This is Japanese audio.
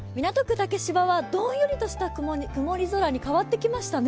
竹芝はどんよりとした曇り空に変わってきましたね。